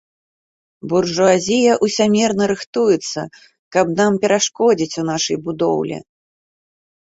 Буржуазія ўсямерна рыхтуецца, каб нам перашкодзіць у нашай будоўлі.